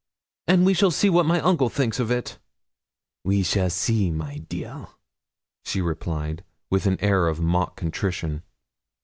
'And we shall see what my uncle thinks of it.' 'We shall see, my dear,' she replied, with an air of mock contrition.